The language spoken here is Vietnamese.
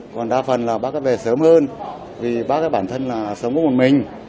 còn đa phần là bác về sớm hơn vì bác bản thân là sống có một mình